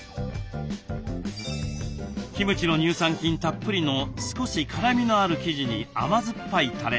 キムチの乳酸菌たっぷりの少し辛みのある生地に甘酸っぱいたれ。